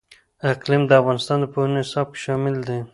اقلیم د افغانستان د پوهنې نصاب کې شامل دي.